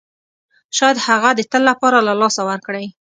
شاید هغه د تل لپاره له لاسه ورکړئ.